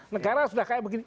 negara sudah kayak begini